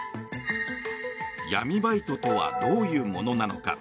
闇バイトとはどういうものなのか。